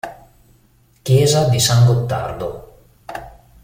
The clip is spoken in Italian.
Chiesa di San Gottardo